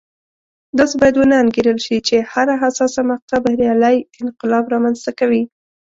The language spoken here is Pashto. داسې باید ونه انګېرل شي چې هره حساسه مقطعه بریالی انقلاب رامنځته کوي.